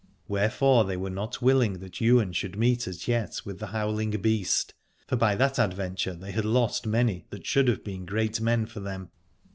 Wherefore they were not willing that Ywain should meet as yet with the Howling Beast, for by that adventure they had lost many that should have been great men for them.